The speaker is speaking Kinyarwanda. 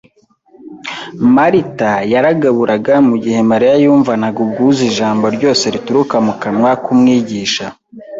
Marita yaragaburaga mu gihe Mariya yumvanaga ubwuzu ijambo ryose rituruka mu kanwa k'Umwigisha.